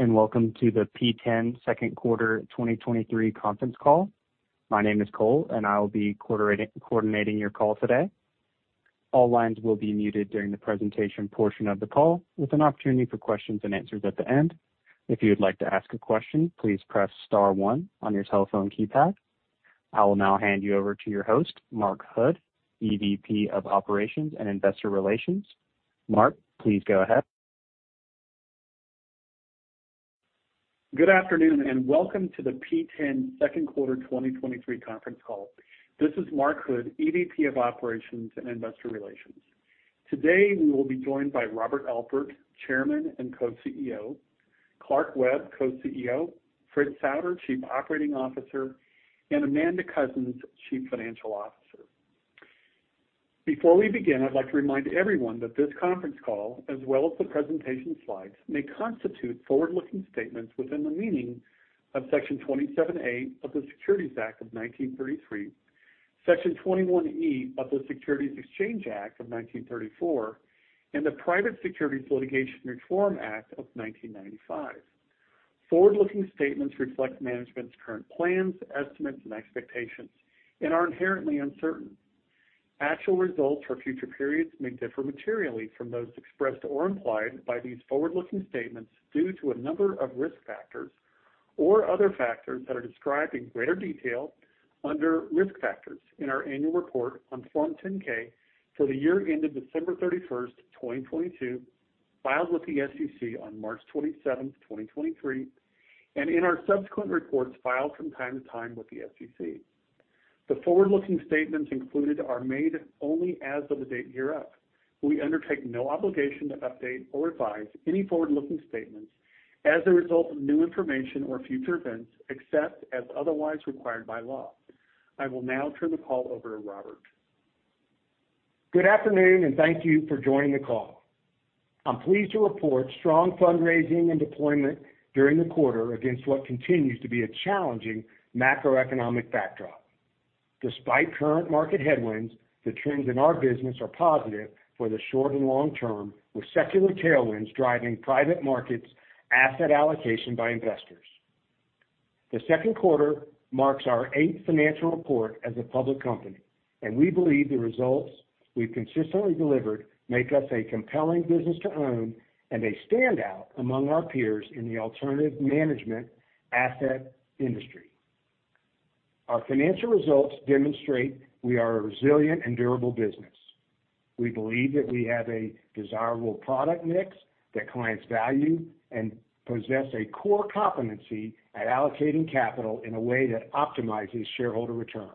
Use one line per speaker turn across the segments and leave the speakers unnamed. Hello, welcome to the P10 second quarter 2023 conference call. My name is Cole, and I will be coordinating your call today. All lines will be muted during the presentation portion of the call, with an opportunity for questions and answers at the end. If you'd like to ask a question, please press star one on your telephone keypad. I will now hand you over to your host, Mark Hood, EVP of Operations and Investor Relations. Mark, please go ahead.
Good afternoon, and welcome to the P10 second quarter 2023 conference call. This is Mark Hood, EVP of Operations and Investor Relations. Today, we will be joined by Robert Alpert, Chairman and Co-CEO, Clark Webb, Co-CEO, Fritz Souder, Chief Operating Officer, and Amanda Coussens, Chief Financial Officer. Before we begin, I'd like to remind everyone that this conference call, as well as the presentation slides, may constitute forward-looking statements within the meaning of Section 27A of the Securities Act of 1933, Section 21E of the Securities Exchange Act of 1934, and the Private Securities Litigation Reform Act of 1995. Forward-looking statements reflect management's current plans, estimates, and expectations and are inherently uncertain. Actual results for future periods may differ materially from those expressed or implied by these forward-looking statements due to a number of risk factors or other factors that are described in greater detail under Risk Factors in our Annual Report on Form 10-K for the year ended December 31st, 2022, filed with the SEC on March 27th, 2023, and in our subsequent reports filed from time to time with the SEC. The forward-looking statements included are made only as of the date hereof. We undertake no obligation to update or revise any forward-looking statements as a result of new information or future events, except as otherwise required by law. I will now turn the call over to Robert.
Good afternoon, thank you for joining the call. I'm pleased to report strong fundraising and deployment during the quarter against what continues to be a challenging macroeconomic backdrop. Despite current market headwinds, the trends in our business are positive for the short and long term, with secular tailwinds driving private markets asset allocation by investors. The second quarter marks our eighth financial report as a public company, we believe the results we've consistently delivered make us a compelling business to own and a standout among our peers in the alternative management asset industry. Our financial results demonstrate we are a resilient and durable business. We believe that we have a desirable product mix that clients value and possess a core competency at allocating capital in a way that optimizes shareholder returns.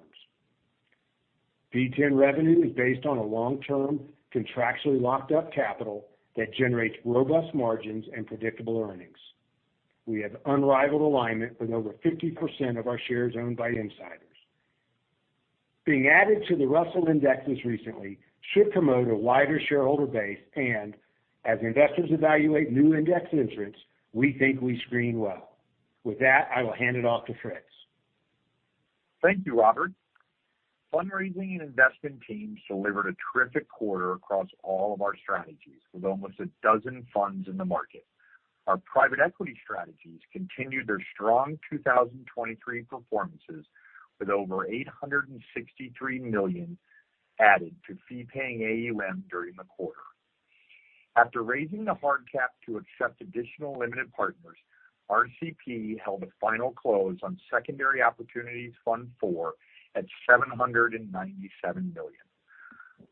P10 revenue is based on a long-term, contractually locked-up capital that generates robust margins and predictable earnings. We have unrivaled alignment with over 50% of our shares owned by insiders. Being added to the Russell Indexes recently should promote a wider shareholder base, as investors evaluate new index entrants, we think we screen well. With that, I will hand it off to Fritz.
Thank you, Robert. Fundraising and investment teams delivered a terrific quarter across all of our strategies, with almost a dozen funds in the market. Our private equity strategies continued their strong 2023 performances, with over $863 million added to fee-paying AUM during the quarter. After raising the hard cap to accept additional limited partners, RCP held a final close on Secondary Opportunity Fund IV at $797 million.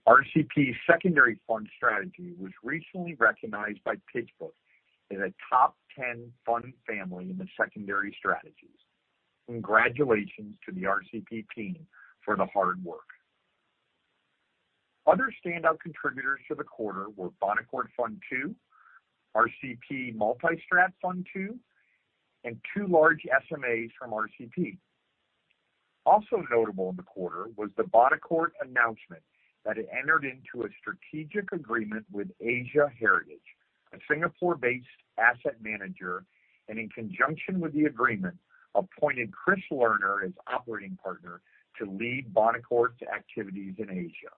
RCP's secondary fund strategy was recently recognized by PitchBook as a top 10 fund family in the secondary strategies. Congratulations to the RCP team for the hard work. Other standout contributors to the quarter were Bonaccord Fund II, RCP Multi-Strat Fund II, and two large SMAs from RCP. Also notable in the quarter was the Bonaccord announcement that it entered into a strategic agreement with Asia Heritage, a Singapore-based asset manager, and in conjunction with the agreement, appointed Chris Lerner as operating partner to lead Bonaccord's activities in Asia.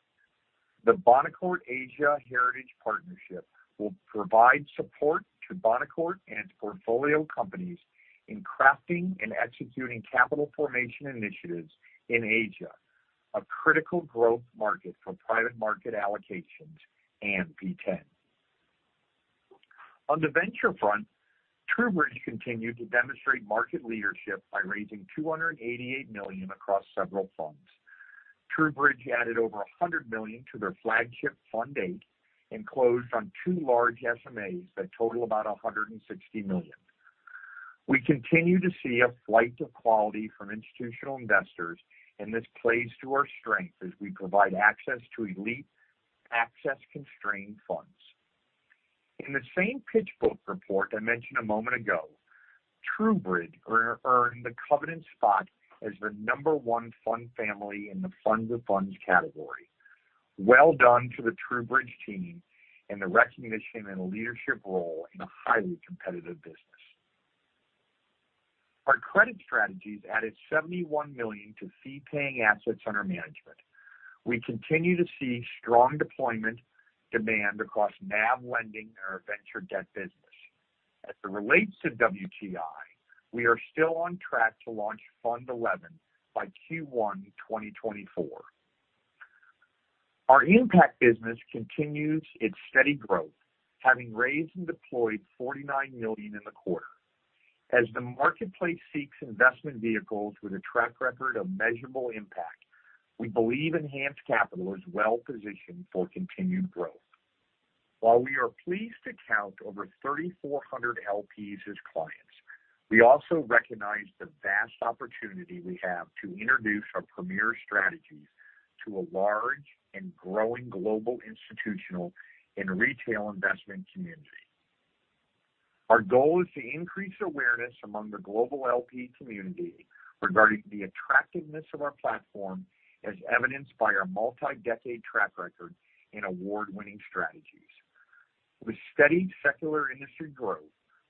The Bonaccord Asia Heritage Partnership will provide support to Bonaccord and portfolio companies in crafting and executing capital formation initiatives in Asia, a critical growth market for private market allocations and P10. On the venture front, TrueBridge continued to demonstrate market leadership by raising $288 million across several funds. TrueBridge added over $100 million to their flagship Fund VIII and closed on two large SMAs that total about $160 million. We continue to see a flight to quality from institutional investors, and this plays to our strength as we provide access to elite access-constrained funds. In the same PitchBook report I mentioned a moment ago, TrueBridge earned the covenant spot as the number one fund family in the funds of funds category. Well done to the TrueBridge team and the recognition and leadership role in a highly competitive business. Our credit strategies added $71 million to fee-paying assets under management. We continue to see strong deployment demand across NAV lending and our venture debt business. As it relates to WTI, we are still on track to launch Fund XI by Q1 2024. Our impact business continues its steady growth, having raised and deployed $49 million in the quarter. As the marketplace seeks investment vehicles with a track record of measurable impact, we believe Enhanced Capital is well positioned for continued growth. While we are pleased to count over 3,400 LPs as clients, we also recognize the vast opportunity we have to introduce our premier strategies to a large and growing global institutional and retail investment community. Our goal is to increase awareness among the global LP community regarding the attractiveness of our platform, as evidenced by our multi-decade track record in award-winning strategies. With steady secular industry growth,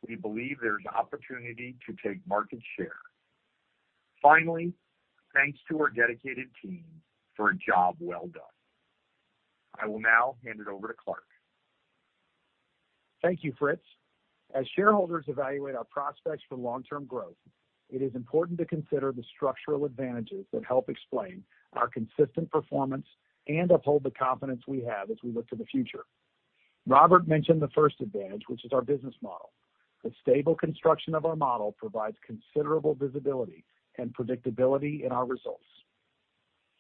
we believe there's opportunity to take market share. Finally, thanks to our dedicated team for a job well done. I will now hand it over to Clark.
Thank you, Fritz. As shareholders evaluate our prospects for long-term growth, it is important to consider the structural advantages that help explain our consistent performance and uphold the confidence we have as we look to the future. Robert mentioned the first advantage, which is our business model. The stable construction of our model provides considerable visibility and predictability in our results.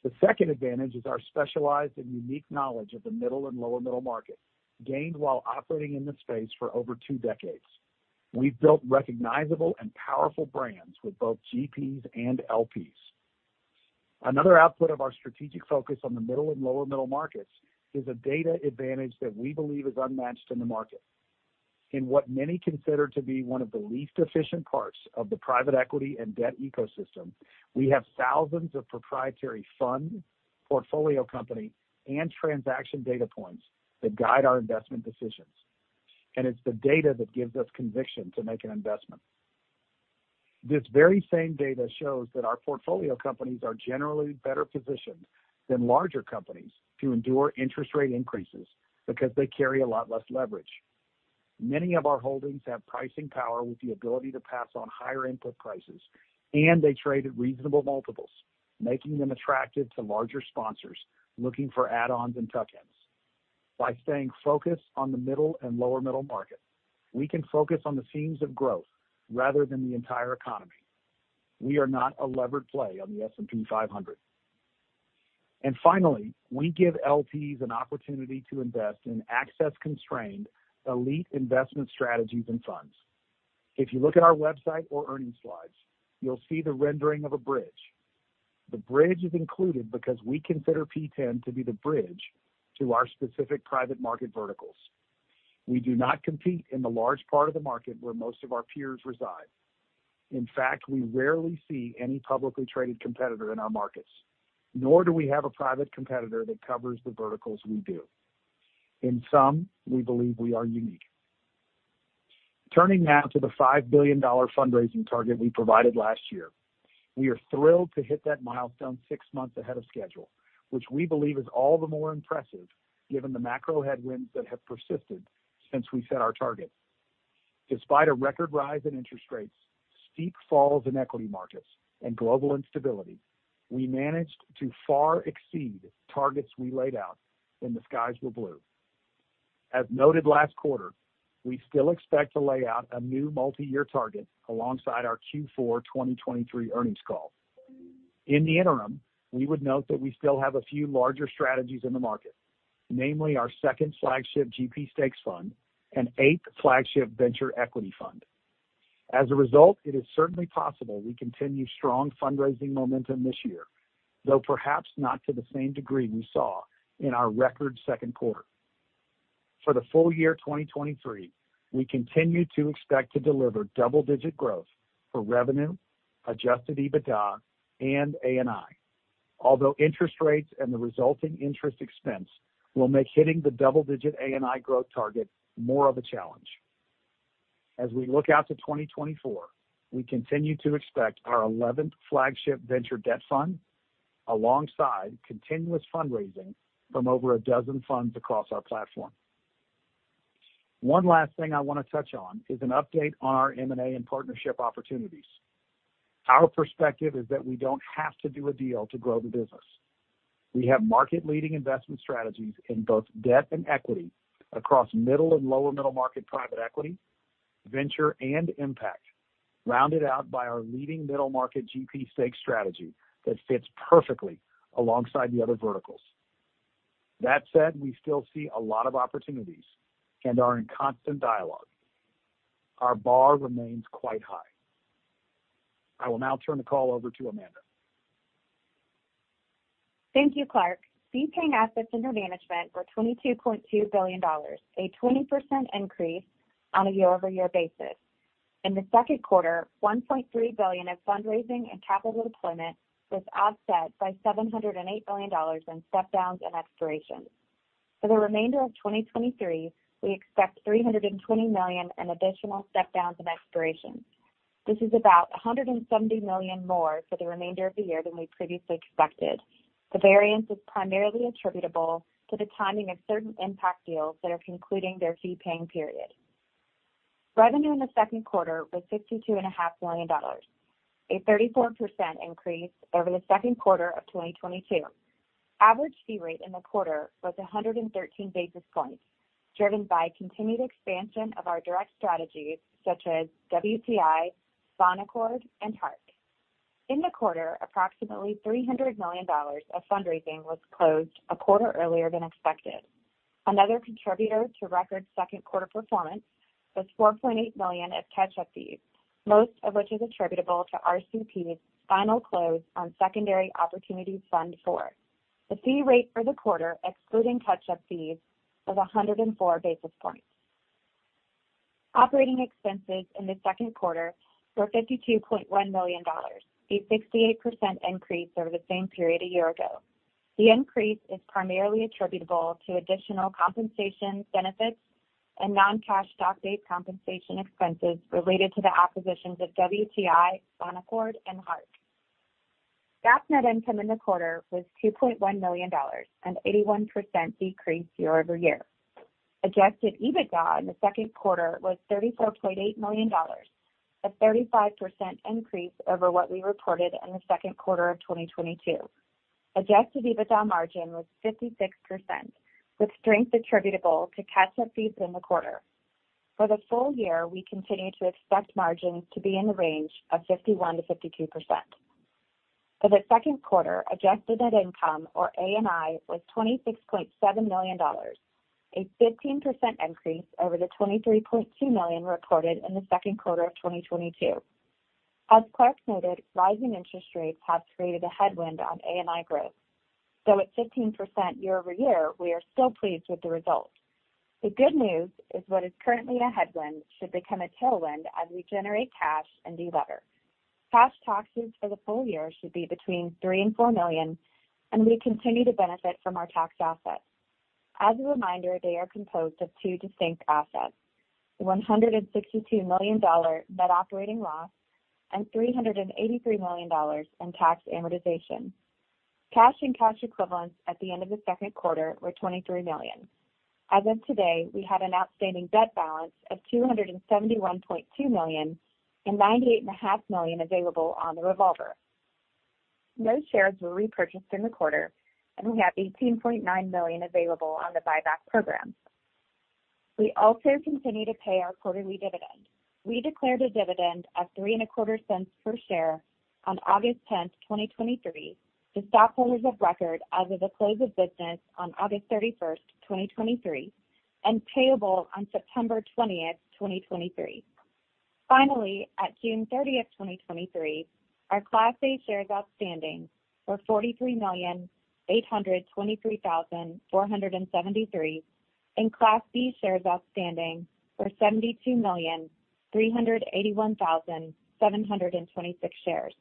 The second advantage is our specialized and unique knowledge of the middle and lower middle market, gained while operating in this space for over two decades. We've built recognizable and powerful brands with both GPs and LPs. Another output of our strategic focus on the middle and lower middle markets is a data advantage that we believe is unmatched in the market. In what many consider to be one of the least efficient parts of the private equity and debt ecosystem, we have thousands of proprietary fund, portfolio company, and transaction data points that guide our investment decisions, and it's the data that gives us conviction to make an investment. This very same data shows that our portfolio companies are generally better positioned than larger companies to endure interest rate increases because they carry a lot less leverage. Many of our holdings have pricing power with the ability to pass on higher input prices, and they trade at reasonable multiples, making them attractive to larger sponsors looking for add-ons and tuck-ins. By staying focused on the middle and lower middle market, we can focus on the themes of growth rather than the entire economy. We are not a levered play on the S&P 500. Finally, we give LPs an opportunity to invest in access-constrained, elite investment strategies and funds. If you look at our website or earnings slides, you'll see the rendering of a bridge. The bridge is included because we consider P10 to be the bridge to our specific private market verticals. We do not compete in the large part of the market where most of our peers reside. In fact, we rarely see any publicly traded competitor in our markets, nor do we have a private competitor that covers the verticals we do. In sum, we believe we are unique. Turning now to the $5 billion fundraising target we provided last year, we are thrilled to hit that milestone six months ahead of schedule, which we believe is all the more impressive given the macro headwinds that have persisted since we set our target. Despite a record rise in interest rates, steep falls in equity markets, and global instability, we managed to far exceed targets we laid out when the skies were blue. As noted last quarter, we still expect to lay out a new multi-year target alongside our Q4 2023 earnings call. In the interim, we would note that we still have a few larger strategies in the market, namely our 2nd flagship GP stakes fund and 8th flagship venture equity fund. As a result, it is certainly possible we continue strong fundraising momentum this year, though perhaps not to the same degree we saw in our record 2nd quarter. For the full year 2023, we continue to expect to deliver double-digit growth for revenue, Adjusted EBITDA, and ANI, although interest rates and the resulting interest expense will make hitting the double-digit ANI growth target more of a challenge. As we look out to 2024, we continue to expect our 11th flagship venture debt fund, alongside continuous fundraising from over 12 funds across our platform. One last thing I want to touch on is an update on our M&A and partnership opportunities. Our perspective is that we don't have to do a deal to grow the business. We have market-leading investment strategies in both debt and equity across middle and lower middle market private equity, venture, and impact, rounded out by our leading middle-market GP stake strategy that fits perfectly alongside the other verticals. That said, we still see a lot of opportunities and are in constant dialogue. Our bar remains quite high. I will now turn the call over to Amanda.
Thank you, Clark. Fee-paying assets under management were $22.2 billion, a 20% increase on a year-over-year basis. In the second quarter, $1.3 billion of fundraising and capital deployment was offset by $708 million in step-downs and expirations. For the remainder of 2023, we expect $320 million in additional step-downs and expirations. This is about $170 million more for the remainder of the year than we previously expected. The variance is primarily attributable to the timing of certain impact deals that are concluding their fee-paying period. Revenue in the second quarter was $62.5 million, a 34% increase over the second quarter of 2022. Average fee rate in the quarter was 113 basis points, driven by continued expansion of our direct strategies such as WTI, Bonaccord, and Hark. In the quarter, approximately $300 million of fundraising was closed a quarter earlier than expected. Another contributor to record second quarter performance was $4.8 million of catch-up fees, most of which is attributable to RCP's final close on Secondary Opportunity Fund IV. The fee rate for the quarter, excluding catch-up fees, was 104 basis points. Operating expenses in the second quarter were $52.1 million, a 68% increase over the same period a year ago. The increase is primarily attributable to additional compensation benefits and non-cash stock-based compensation expenses related to the acquisitions of WTI, Bonaccord, and Hark. GAAP net income in the quarter was $2.1 million, an 81% decrease year-over-year. Adjusted EBITDA in the second quarter was $34.8 million, a 35% increase over what we reported in the second quarter of 2022. Adjusted EBITDA margin was 56%, with strength attributable to catch-up fees in the quarter. For the full year, we continue to expect margins to be in the range of 51%-52%. For the second quarter, adjusted net income, or ANI, was $26.7 million, a 15% increase over the $23.2 million reported in the second quarter of 2022. As Clark noted, rising interest rates have created a headwind on ANI growth, so at 15% year-over-year, we are still pleased with the results. The good news is what is currently a headwind should become a tailwind as we generate cash and do better. Cash taxes for the full year should be between $3 million and $4 million, and we continue to benefit from our tax assets. As a reminder, they are composed of two distinct assets: $162 million net operating loss and $383 million in tax amortization. Cash and cash equivalents at the end of the second quarter were $23 million. As of today, we had an outstanding debt balance of $271.2 million and $98.5 million available on the revolver. No shares were repurchased in the quarter, and we have $18.9 million available on the buyback program. We also continue to pay our quarterly dividend. We declared a dividend of $0.0325 per share on August 10th, 2023, to stockholders of record as of the close of business on August 31st, 2023, and payable on September 20th, 2023. Finally, at June 30th, 2023, our Class A shares outstanding were 43,823,473, and Class B shares outstanding were 72,381,726 shares.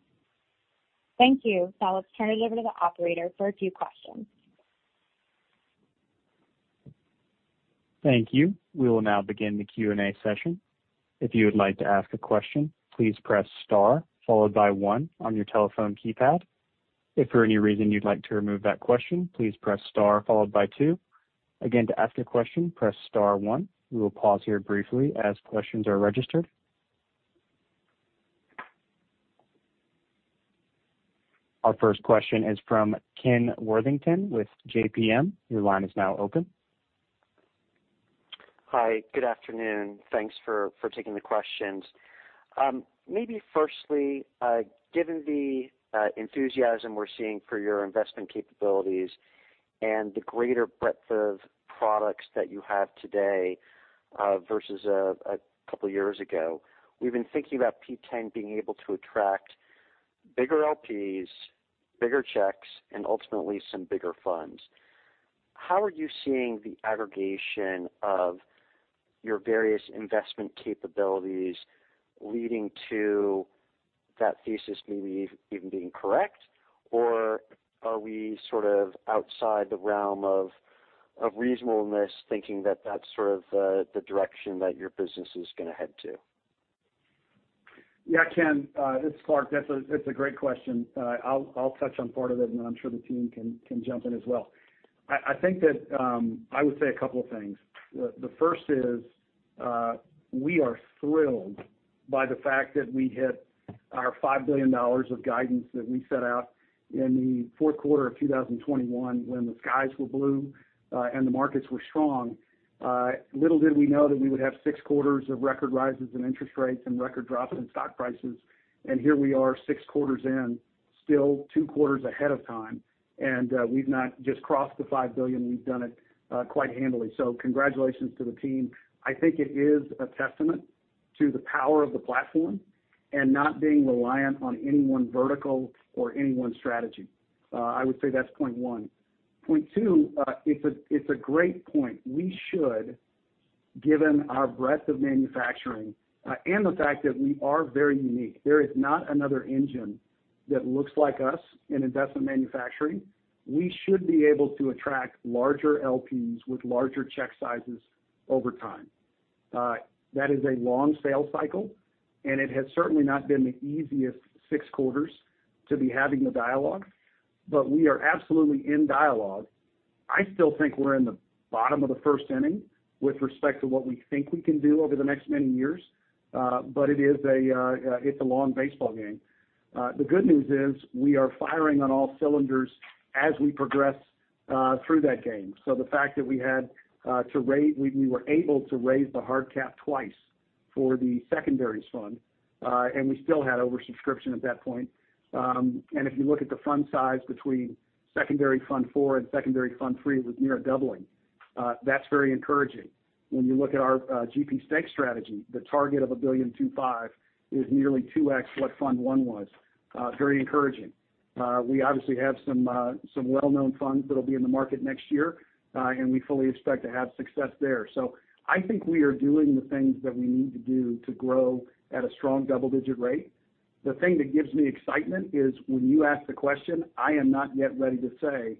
Thank you. Now, let's turn it over to the operator for a few questions.
Thank you. We will now begin the Q&A session. If you would like to ask a question, please press star followed by one on your telephone keypad. If for any reason you'd like to remove that question, please press star followed by two. Again, to ask a question, press star one. We will pause here briefly as questions are registered. Our first question is from Ken Worthington with JPM. Your line is now open.
Hi, good afternoon. Thanks for, for taking the questions. Maybe firstly, given the enthusiasm we're seeing for your investment capabilities and the greater breadth of products that you have today, versus a couple of years ago, we've been thinking about P10 being able to attract bigger LPs, bigger checks, and ultimately some bigger funds. How are you seeing the aggregation of your various investment capabilities leading to that thesis maybe even being correct? Are we sort of outside the realm of reasonableness, thinking that that's sort of the direction that your business is going to head to?
Yeah, Ken Worthington, it's Clark Webb. That's a, it's a great question. I'll, I'll touch on part of it, and I'm sure the team can, can jump in as well. I, I think that, I would say a couple of things. The, the first is, we are thrilled by the fact that we hit our $5 billion of guidance that we set out in the fourth quarter of 2021, when the skies were blue, and the markets were strong. Little did we know that we would have six quarters of record rises in interest rates and record drops in stock prices. Here we are, six quarters in, still two quarters ahead of time, we've not just crossed the $5 billion, we've done it, quite handily. Congratulations to the team. I think it is a testament to the power of the platform and not being reliant on any one vertical or any one strategy. I would say that's point one. Point two, it's a great point. Given our breadth of manufacturing, and the fact that we are very unique, there is not another engine that looks like us in investment manufacturing. We should be able to attract larger LPs with larger check sizes over time. That is a long sales cycle, and it has certainly not been the easiest six quarters to be having the dialogue, but we are absolutely in dialogue. I still think we're in the bottom of the first inning with respect to what we think we can do over the next many years, but it is a long baseball game. The good news is we are firing on all cylinders as we progress through that game. The fact that we had to raise-- we, we were able to raise the hard cap twice for the secondaries fund, and we still had oversubscription at that point. If you look at the fund size between Secondary Fund IV and Secondary Fund III, it was near a doubling. That's very encouraging. When you look at our GP stakes strategy, the target of $1.25 billion is nearly 2x what Fund 1 was, very encouraging. We obviously have some well-known funds that'll be in the market next year, and we fully expect to have success there. I think we are doing the things that we need to do to grow at a strong double-digit rate. The thing that gives me excitement is when you ask the question, I am not yet ready to say,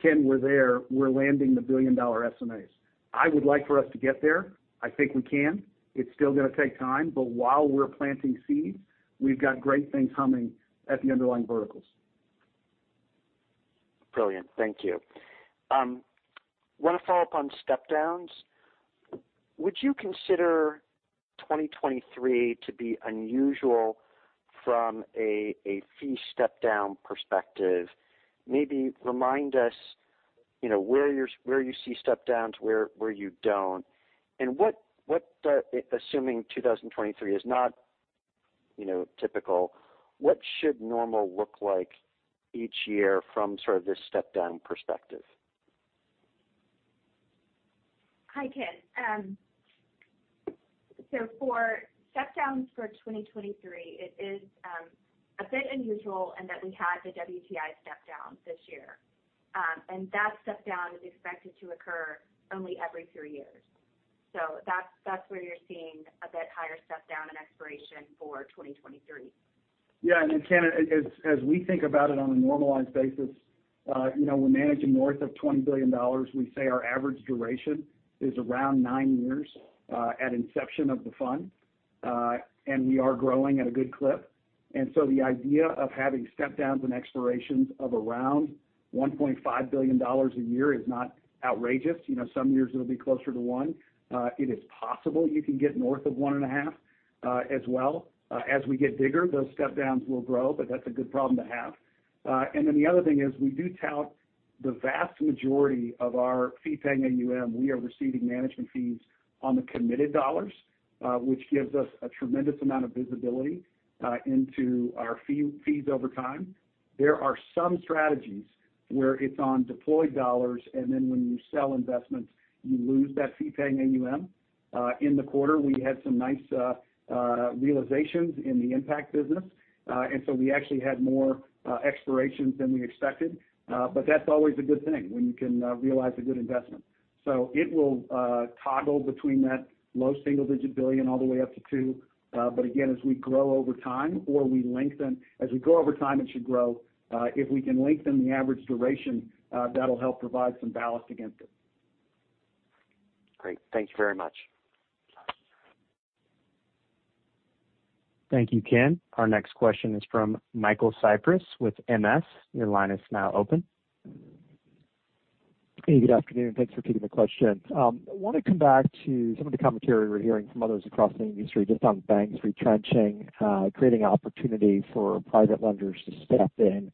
"Ken, we're there. We're landing the billion-dollar SMAs." I would like for us to get there. I think we can. It's still gonna take time, but while we're planting seeds, we've got great things humming at the underlying verticals.
Brilliant. Thank you. Want to follow up on step downs? Would you consider 2023 to be unusual from a fee step down perspective? Maybe remind us, you know, where you see step downs, where, where you don't, and what, what assuming 2023 is not, you know, typical, what should normal look like each year from sort of this step down perspective?
Hi, Ken. For step downs for 2023, it is a bit unusual in that we had the WTI step down this year. That step down is expected to occur only every three years. That's, that's where you're seeing a bit higher step down in expiration for 2023.
Yeah, Ken, as, as we think about it on a normalized basis, you know, we're managing north of $20 billion. We say our average duration is around nine years, at inception of the fund, and we are growing at a good clip. So the idea of having step downs and expirations of around $1.5 billion a year is not outrageous. You know, some years it'll be closer to $1 billion. It is possible you can get north of $1.5 billion, as well. As we get bigger, those step downs will grow, but that's a good problem to have. Then the other thing is, we do tout the vast majority of our fee-paying AUM. We are receiving management fees on the committed dollars, which gives us a tremendous amount of visibility, into our fee, fees over time. There are some strategies where it's on deployed dollars, then when you sell investments, you lose that fee-paying AUM. In the quarter, we had some nice realizations in the impact business, and so we actually had more expirations than we expected. That's always a good thing when you can realize a good investment. It will toggle between that low single-digit billion all the way up to $2 billion. Again, as we grow over time or as we go over time, it should grow. If we can lengthen the average duration, that'll help provide some ballast against it.
Great. Thank you very much.
Thank you, Ken. Our next question is from Michael Cyprys with MS. Your line is now open.
Hey, good afternoon. Thanks for taking the question. I want to come back to some of the commentary we're hearing from others across the industry, just on banks retrenching, creating opportunity for private lenders to step in.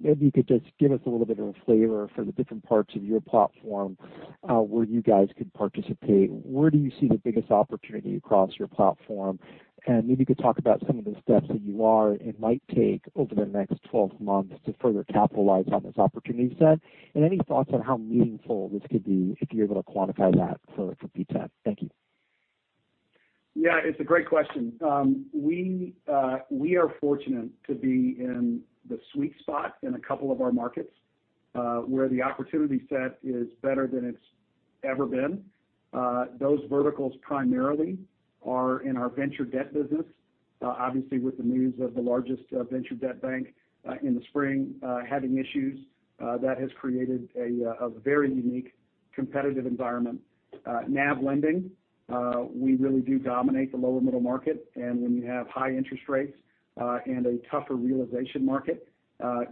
Maybe you could just give us a little bit of a flavor for the different parts of your platform, where you guys could participate. Where do you see the biggest opportunity across your platform? And maybe you could talk about some of the steps that you are and might take over the next 12 months to further capitalize on this opportunity set. And any thoughts on how meaningful this could be, if you're able to quantify that for, for P10? Thank you.
It's a great question. We are fortunate to be in the sweet spot in a couple of our markets, where the opportunity set is better than it's ever been. Those verticals primarily are in our venture debt business. Obviously, with the news of the largest venture debt bank in the spring having issues, that has created a very unique competitive environment. NAV lending, we really do dominate the lower middle market, and when you have high interest rates and a tougher realization market,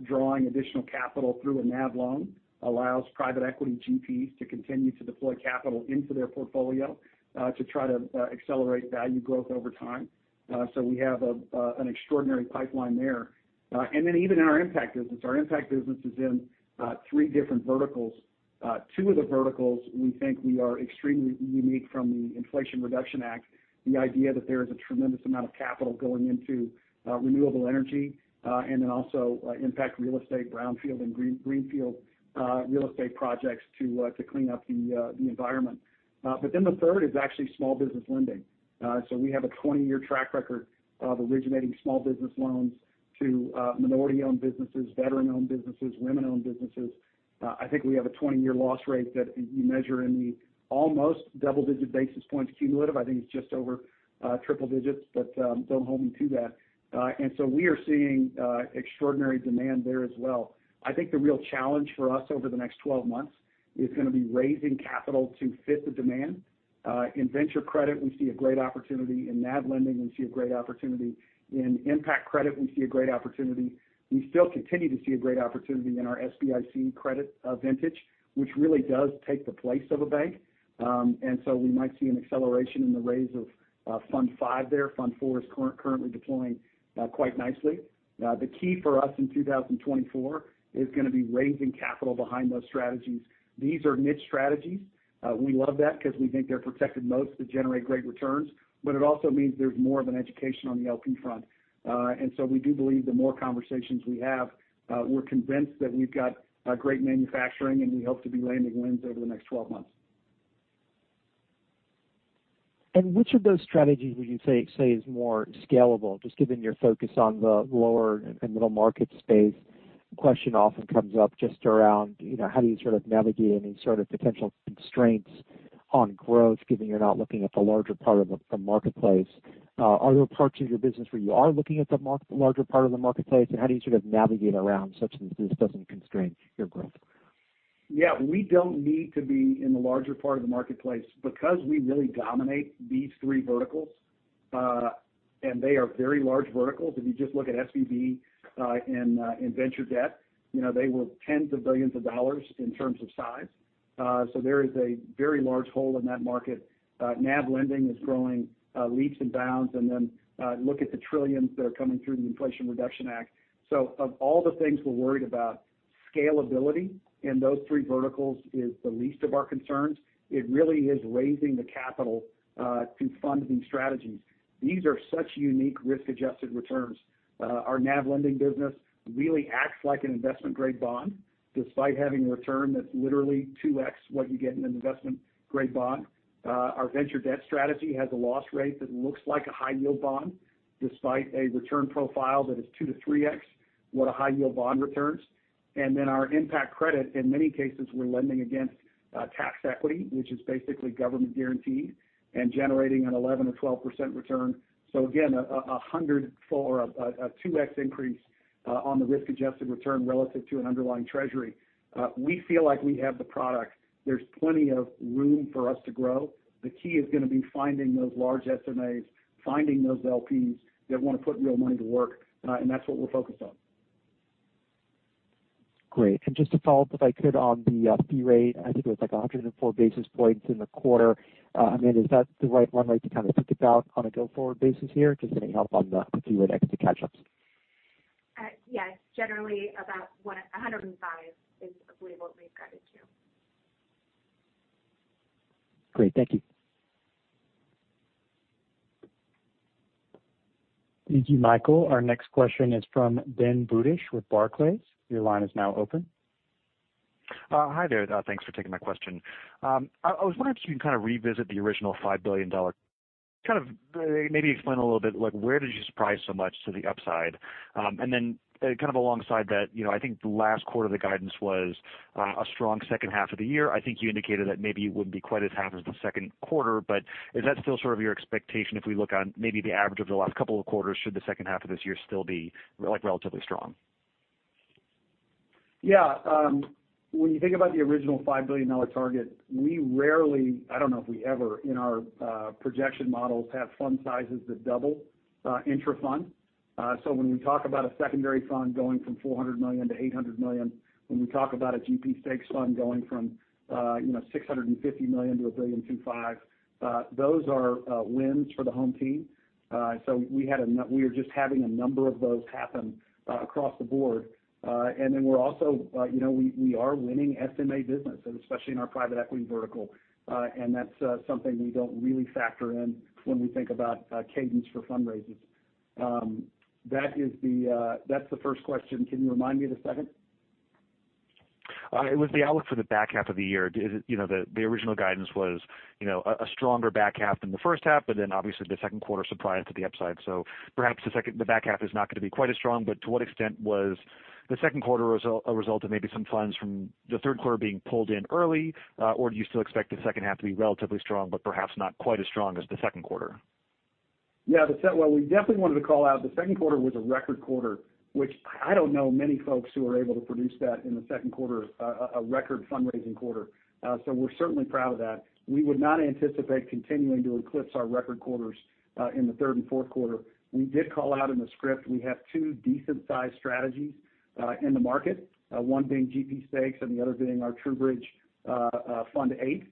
drawing additional capital through a NAV loan allows private equity GPs to continue to deploy capital into their portfolio to try to accelerate value growth over time. We have an extraordinary pipeline there. in our impact business, our impact business is in three different verticals. Two of the verticals, we think we are extremely unique from the Inflation Reduction Act, the idea that there is a tremendous amount of capital going into renewable energy, and then also impact real estate, brownfield and greenfield real estate projects to clean up the environment. But then the third is actually small business lending. So we have a 20-year track record of originating small business loans to minority-owned businesses, veteran-owned businesses, women-owned businesses. I think we have a 20-year loss rate that you measure in the almost double-digit basis points cumulative. I think it's just over triple digits, but don't hold me to that. And so we are seeing extraordinary demand there as well. I think the real challenge for us over the next 12 months is gonna be raising capital to fit the demand. In venture credit, we see a great opportunity. In NAV lending, we see a great opportunity. In impact credit, we see a great opportunity. We still continue to see a great opportunity in our SBIC credit vintage, which really does take the place of a bank. We might see an acceleration in the raise of Fund V there. Fund IV is currently deploying quite nicely. The key for us in 2024 is gonna be raising capital behind those strategies. These are niche strategies. We love that because we think they're protected most to generate great returns, but it also means there's more of an education on the LP front. We do believe the more conversations we have, we're convinced that we've got great manufacturing, and we hope to be landing wins over the next 12 months.
Which of those strategies would you say is more scalable, just given your focus on the lower and middle market space. The question often comes up just around, you know, how do you sort of navigate any sort of potential constraints on growth, given you're not looking at the larger part of the, the marketplace. Are there parts of your business where you are looking at the larger part of the marketplace, and how do you sort of navigate around such that this doesn't constrain your growth?
Yeah, we don't need to be in the larger part of the marketplace because we really dominate these three verticals, and they are very large verticals. If you just look at SVB, and venture debt, you know, they were $10s of billions in terms of size. There is a very large hole in that market. NAV lending is growing leaps and bounds, look at the trillions that are coming through the Inflation Reduction Act. Of all the things we're worried about, scalability in those three verticals is the least of our concerns. It really is raising the capital to fund these strategies. These are such unique risk-adjusted returns. Our NAV lending business really acts like an investment-grade bond, despite having a return that's literally 2x what you get in an investment-grade bond. Our venture debt strategy has a loss rate that looks like a high yield bond, despite a return profile that is 2x-3x what a high yield bond returns. Our impact credit, in many cases, we're lending against tax equity, which is basically government guaranteed and generating an 11% or 12% return. Again, 100 for a 2x increase on the risk-adjusted return relative to an underlying treasury. We feel like we have the product. There's plenty of room for us to grow. The key is gonna be finding those large SMAs, finding those LPs that want to put real money to work, and that's what we're focused on.
Great. Just a follow-up, if I could, on the fee rate. I think it was like 104 basis points in the quarter. I mean, is that the right one way to kind of think about on a go-forward basis here? Just any help on the fee rate exit catch-ups?
Yes, generally about 105 is what we've guided to.
Great. Thank you.
Thank you, Michael. Our next question is from Ben Budish with Barclays. Your line is now open.
Hi there. Thanks for taking my question. I, I was wondering if you can revisit the original $5 billion. Maybe explain a little bit where did you surprise so much to the upside? Alongside that, you know, I think the last quarter, the guidance was a strong second half of the year. I think you indicated that maybe it wouldn't be quite as half as the second quarter, but is that still your expectation if we look on maybe the average of the last couple of quarters, should the second half of this year still be relatively strong?
Yeah, when you think about the original $5 billion target, we rarely, I don't know if we ever, in our projection models, have fund sizes that double intra-fund. When we talk about a secondary fund going from $400 million to $800 million, when we talk about a GP stakes fund going from, you know, $650 million to $1.25 billion, those are wins for the home team. We are just having a number of those happen across the board. We're also, you know, we, we are winning SMA business, and especially in our private equity vertical. That's something we don't really factor in when we think about cadence for fundraisers. That is the, that's the first question. Can you remind me of the second?
It was the outlook for the back half of the year. You know, the, the original guidance was, you know, a, a stronger back half than the first half. Obviously the second quarter surprised to the upside. Perhaps the second, the back half is not gonna be quite as strong. To what extent was the second quarter a result of maybe some funds from the third quarter being pulled in early? Do you still expect the second half to be relatively strong, but perhaps not quite as strong as the second quarter?
Yeah, well, we definitely wanted to call out, the second quarter was a record quarter, which I don't know many folks who are able to produce that in the second quarter, a record fundraising quarter. So we're certainly proud of that. We would not anticipate continuing to eclipse our record quarters, in the third and fourth quarter. We did call out in the script, we have two decent-sized strategies, in the market, one being GP stakes, and the other being our TrueBridge Fund VIII.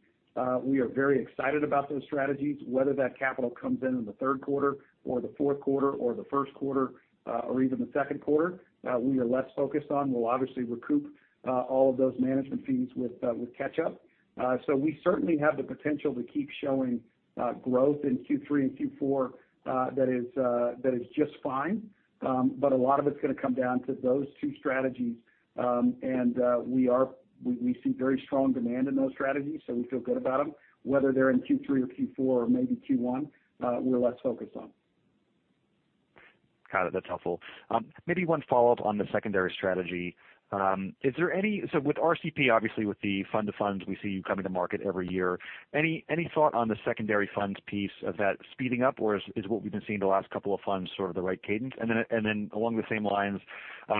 We are very excited about those strategies. Whether that capital comes in in the third quarter or the fourth quarter or the first quarter, or even the second quarter, we are less focused on. We'll obviously recoup, all of those management fees with, with catch up. We certainly have the potential to keep showing growth in Q3 and Q4, that is, that is just fine. A lot of it's gonna come down to those two strategies, we see very strong demand in those strategies, we feel good about them. They're in Q3 or Q4 or maybe Q1, we're less focused on.
Got it. That's helpful. Maybe one follow-up on the secondary strategy. So with RCP, obviously, with the fund to funds, we see you coming to market every year. Any, any thought on the secondary funds piece of that speeding up, or is, is what we've been seeing the last couple of funds sort of the right cadence? Then, and then along the same lines,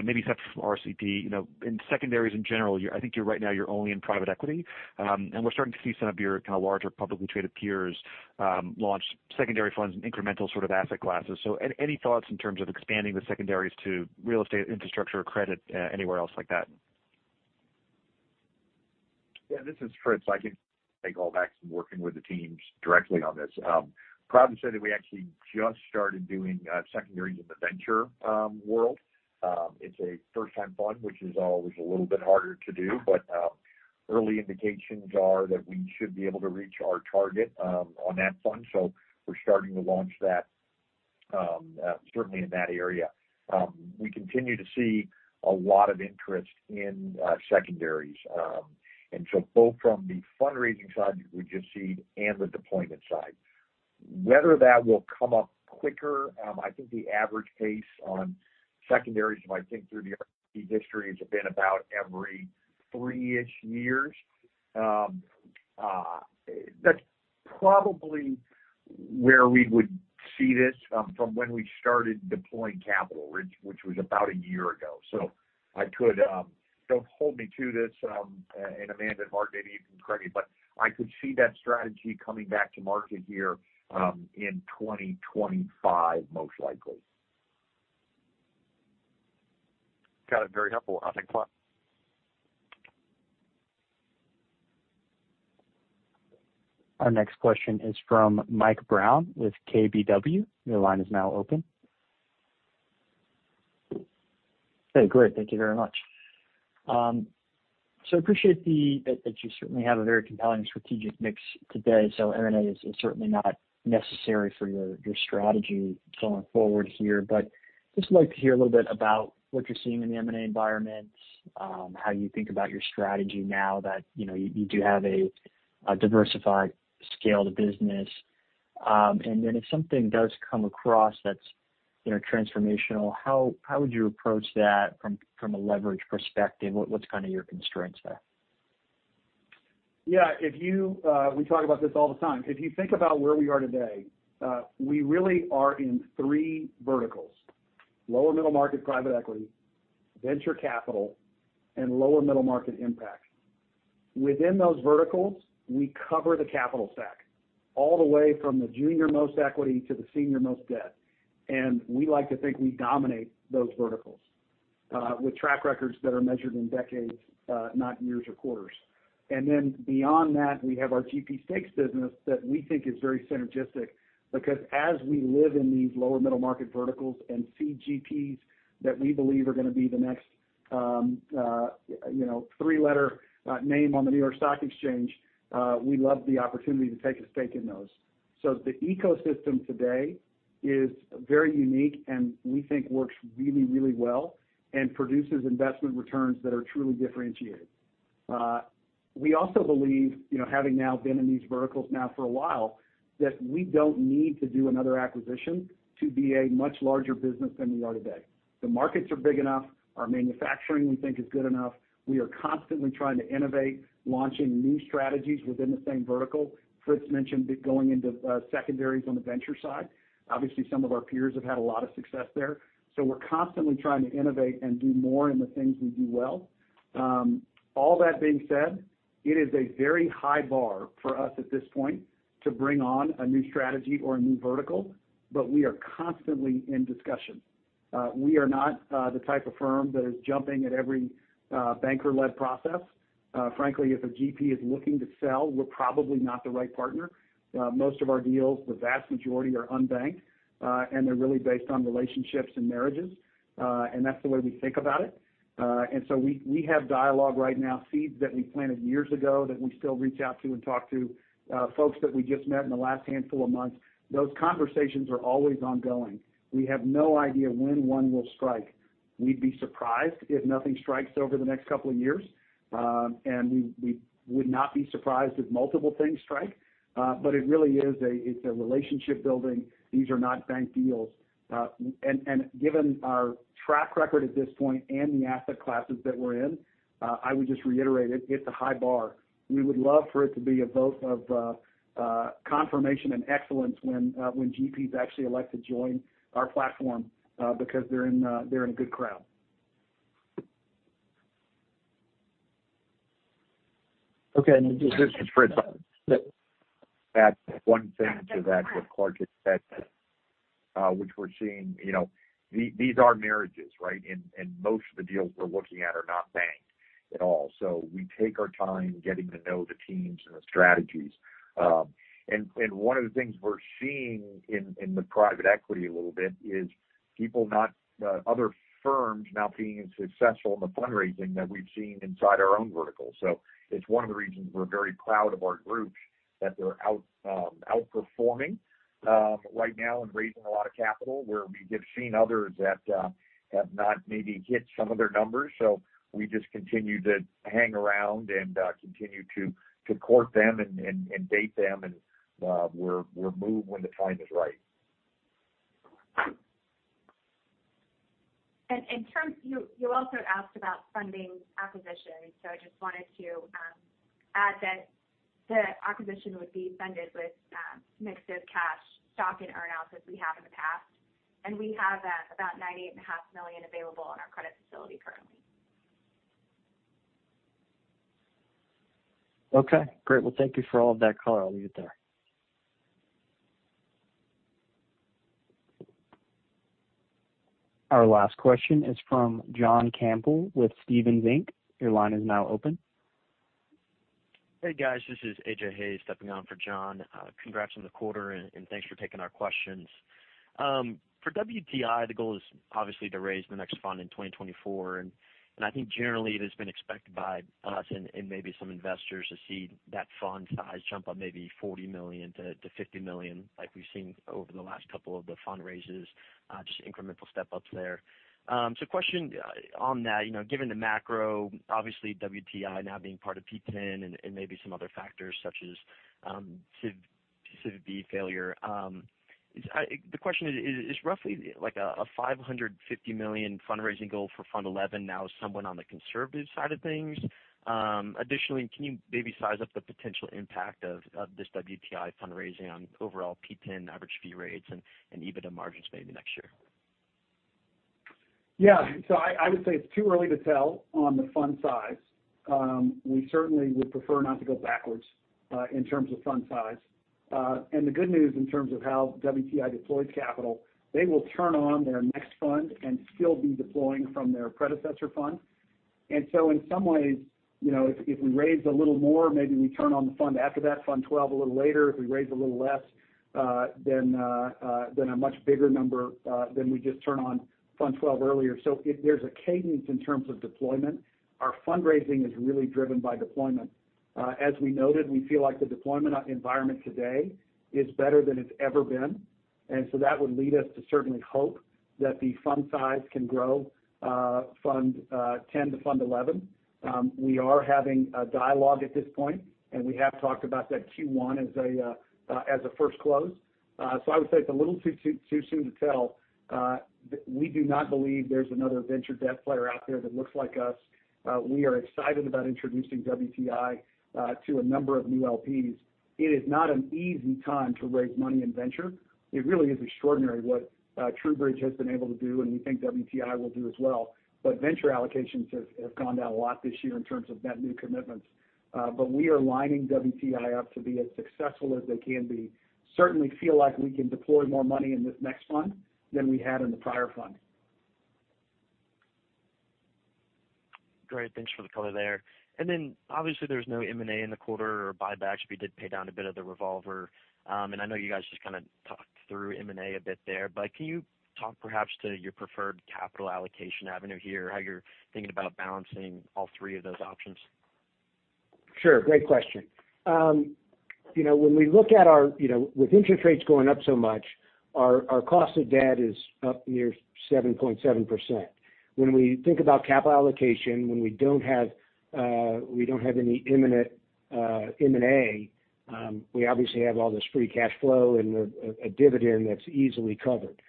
maybe separate from RCP, you know, in secondaries in general, I think you're right now, you're only in private equity. We're starting to see some of your kind of larger publicly traded peers, launch secondary funds in incremental sort of asset classes. Any thoughts in terms of expanding the secondaries to real estate, infrastructure, or credit, anywhere else like that?
Yeah, this is Fritz. I can take all backs from working with the teams directly on this. Proud to say that we actually just started doing secondaries in the venture world. It's a first-time fund, which is always a little bit harder to do, but early indications are that we should be able to reach our target on that fund. We're starting to launch that certainly in that area. We continue to see a lot of interest in secondaries, and so both from the fundraising side, we just seed and the deployment side. Whether that will come up quicker, I think the average pace on secondaries, if I think through the RCP history, has been about every 3-ish years. That's probably where we would see this, from when we started deploying capital, which, which was about a year ago. I could, don't hold me to this, and Amanda and Mark, maybe you can correct me, but I could see that strategy coming back to market here, in 2025, most likely.
Got it. Very helpful. Thanks a lot.
Our next question is from Mike Brown with KBW. Your line is now open.
Hey, great. Thank you very much. Appreciate the, that, that you certainly have a very compelling strategic mix today. M&A is, is certainly not necessary for your, your strategy going forward here, but just like to hear a little bit about what you're seeing in the M&A environment, how you think about your strategy now that, you know, you do have a diversified scaled business. Then if something does come across that's, you know, transformational, how, how would you approach that from, from a leverage perspective? What, what's kind of your constraints there?
Yeah, if you, we talk about this all the time. If you think about where we are today, we really are in three verticals: lower middle market, private equity, venture capital, and lower middle market impact. Within those verticals, we cover the capital stack, all the way from the junior-most equity to the senior-most debt. We like to think we dominate those verticals, with track records that are measured in decades, not years or quarters. Then beyond that, we have our GP stakes business that we think is very synergistic. Because as we live in these lower middle market verticals and see GPs that we believe are gonna be the next, you know, three-letter name on the New York Stock Exchange, we love the opportunity to take a stake in those. The ecosystem today is very unique and we think works really, really well and produces investment returns that are truly differentiated. We also believe, you know, having now been in these verticals now for a while, that we don't need to do another acquisition to be a much larger business than we are today. The markets are big enough. Our manufacturing, we think, is good enough. We are constantly trying to innovate, launching new strategies within the same vertical. Fritz mentioned going into secondaries on the venture side. Obviously, some of our peers have had a lot of success there. We're constantly trying to innovate and do more in the things we do well. All that being said, it is a very high bar for us at this point to bring on a new strategy or a new vertical, but we are constantly in discussion. We are not the type of firm that is jumping at every banker-led process. Frankly, if a GP is looking to sell, we're probably not the right partner. Most of our deals, the vast majority, are unbanked, and they're really based on relationships and marriages, and that's the way we think about it. We, we have dialogue right now, seeds that we planted years ago, that we still reach out to and talk to, folks that we just met in the last handful of months. Those conversations are always ongoing. We have no idea when one will strike. We'd be surprised if nothing strikes over the next two years, and we, we would not be surprised if multiple things strike. It really is, it's a relationship building. These are not bank deals. Given our track record at this point and the asset classes that we're in, I would just reiterate it, it's a high bar. We would love for it to be a vote of confirmation and excellence when GPs actually elect to join our platform, because they're in a good crowd.
Okay. This is Fritz. Add one thing to that, what Clark had said, which we're seeing, you know, these are marriages, right? Most of the deals we're looking at are not banks at all. We take our time getting to know the teams and the strategies. One of the things we're seeing in the private equity a little bit is people not, other firms not being as successful in the fundraising that we've seen inside our own vertical. It's one of the reasons we're very proud of our groups, that they're out, outperforming, right now and raising a lot of capital, where we have seen others that, have not maybe hit some of their numbers. We just continue to hang around and, continue to, to court them and, and, and date them, and, we'll move when the time is right.
In terms, you, you also asked about funding acquisitions, so I just wanted to add that the acquisition would be funded with a mix of cash, stock, and earn-outs as we have in the past. We have about $98.5 million available in our credit facility currently.
Okay, great. Well, thank you for all of that color. I'll leave it there.
Our last question is from John Campbell with Stephens Inc. Your line is now open.
Hey, guys. This is AJ Hayes stepping on for John. Congrats on the quarter, and thanks for taking our questions. For WTI, the goal is obviously to raise the next fund in 2024. I think generally it has been expected by us and maybe some investors to see that fund size jump up maybe $40 million-$50 million, like we've seen over the last couple of the fundraises, just incremental step ups there. Question on that, you know, given the macro, obviously WTI now being part of P10 and maybe some other factors such as SVB failure, the question is, is roughly like a $550 million fundraising goal for Fund XI now somewhat on the conservative side of things? Additionally, can you maybe size up the potential impact of this WTI fundraising on overall P10 average fee rates and EBITDA margins maybe next year?
Yeah. I, I would say it's too early to tell on the fund size. We certainly would prefer not to go backwards in terms of fund size. The good news in terms of how WTI deploys capital, they will turn on their next fund and still be deploying from their predecessor fund. In some ways, you know, if, if we raise a little more, maybe we turn on the fund after that, Fund XII, a little later. If we raise a little less, then a much bigger number, then we just turn on Fund XII earlier. There's a cadence in terms of deployment. Our fundraising is really driven by deployment. As we noted, we feel like the deployment environment today is better than it's ever been, and so that would lead us to certainly hope that the fund size can grow, Fund X to Fund XI. We are having a dialogue at this point, and we have talked about that Q1 as a first close. I would say it's a little too, too, too soon to tell. We do not believe there's another venture debt player out there that looks like us. We are excited about introducing WTI to a number of new LPs. It is not an easy time to raise money in venture. It really is extraordinary what TrueBridge has been able to do, and we think WTI will do as well. Venture allocations have, have gone down a lot this year in terms of net new commitments. We are lining WTI up to be as successful as they can be. Certainly feel like we can deploy more money in this next fund than we had in the prior fund.
Great. Thanks for the color there. Obviously, there's no M&A in the quarter or buybacks, but you did pay down a bit of the revolver. I know you guys just kind of talked through M&A a bit there, but can you talk perhaps to your preferred capital allocation avenue here, how you're thinking about balancing all three of those options?
Sure. Great question. You know, when we look at You know, with interest rates going up so much, our, our cost of debt is up near 7.7%. When we think about capital allocation, when we don't have, we don't have any imminent M&A, we obviously have all this free cash flow and a, a dividend that's easily covered.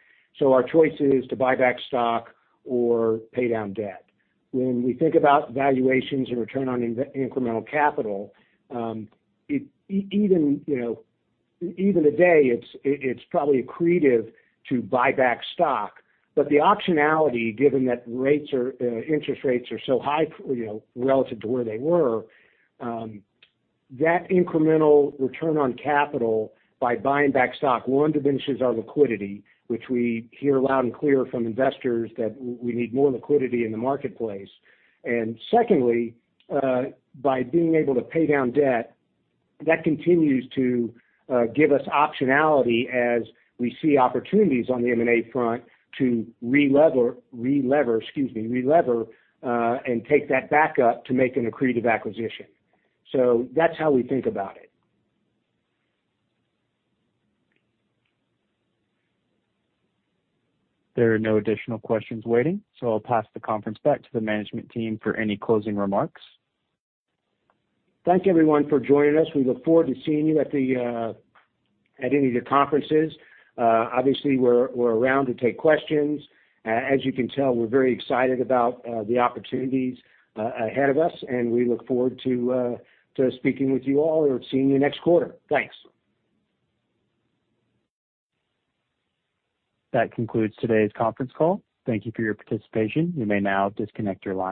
Our choice is to buy back stock or pay down debt. When we think about valuations and return on incremental capital, even, you know, even today, it's, it's probably accretive to buy back stock. The optionality, given that rates are interest rates are so high, you know, relative to where they were, that incremental return on capital by buying back stock, one, diminishes our liquidity, which we hear loud and clear from investors that we need more liquidity in the marketplace. Secondly, by being able to pay down debt, that continues to give us optionality as we see opportunities on the M&A front to relever and take that back up to make an accretive acquisition. That's how we think about it.
There are no additional questions waiting. I'll pass the conference back to the management team for any closing remarks.
Thank you everyone for joining us. We look forward to seeing you at the, at any of the conferences. Obviously, we're, we're around to take questions. As you can tell, we're very excited about the opportunities ahead of us, and we look forward to to speaking with you all or seeing you next quarter. Thanks.
That concludes today's conference call. Thank you for your participation. You may now disconnect your lines.